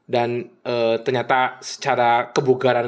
dan ternyata secara kebugaran